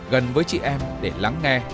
gần với chị em để lắng nghe